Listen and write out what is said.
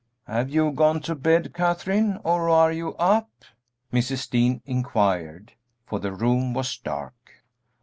"Have you gone to bed, Katherine, or are you up?" Mrs. Dean inquired, for the room was dark.